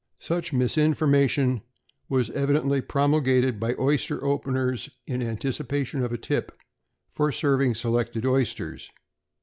Such misinformation was evidently promulgated by oyster openers in anticipation of a tip for serving selected oysters.